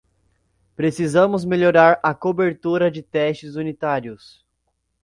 Precisamos melhorar a cobertura de testes unitários.